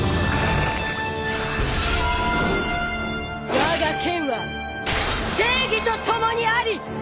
わが剣は正義と共にあり。